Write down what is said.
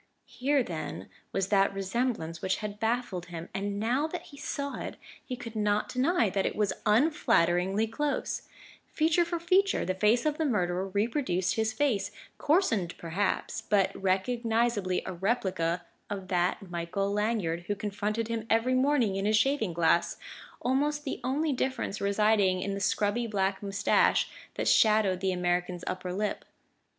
Here, then, was that resemblance which had baffled him; and now that he saw it, he could not deny that it was unflatteringly close: feature for feature the face of the murderer reproduced his face, coarsened perhaps but recognizably a replica of that Michael Lanyard who confronted him every morning in his shaving glass, almost the only difference residing in the scrubby black moustache that shadowed the American's upper lip.